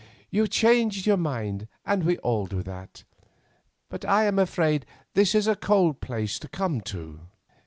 You changed your mind, and we all do that; but I am afraid this is a cold place to come to."